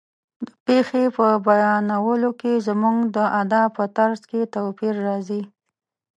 د پېښې په بیانولو کې زموږ د ادا په طرز کې توپیر راځي.